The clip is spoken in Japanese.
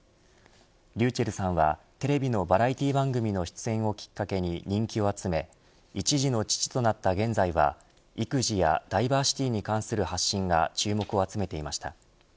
ｒｙｕｃｈｅｌｌさんはテレビのバラエティー番組の出演をきっかけに人気を集め一児の父となった現在は育児やダイバーシティに関する発信が注目を集めていました。